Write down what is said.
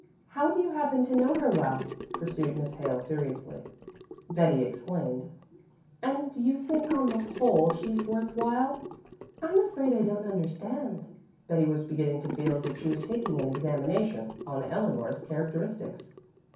"How do you happen to know her well?" pursued Miss Hale seriously. Betty explained. "And you think that on the whole she's worth while?" "I'm afraid I don't understand " Betty was beginning to feel as if she was taking an examination on Eleanor's characteristics.